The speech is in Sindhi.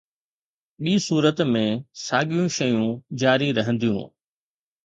ٻي صورت ۾، ساڳيون شيون جاري رهنديون.